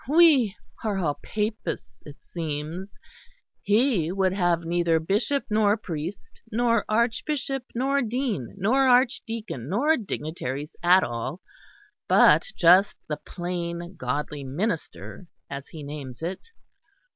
We are all Papists, it seems! He would have neither bishop nor priest nor archbishop nor dean nor archdeacon, nor dignitaries at all, but just the plain Godly Minister, as he names it.